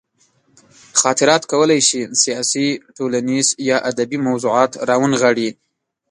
خاطرات کولی شي سیاسي، ټولنیز یا ادبي موضوعات راونغاړي.